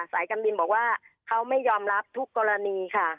สายการบินบอกว่าเขาไม่ยอมรับทุกกรณีค่ะ